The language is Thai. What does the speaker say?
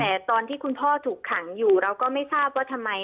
แต่ตอนที่คุณพ่อถูกขังอยู่เราก็ไม่ทราบว่าทำไม